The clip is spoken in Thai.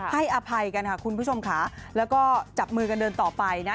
อภัยกันค่ะคุณผู้ชมค่ะแล้วก็จับมือกันเดินต่อไปนะ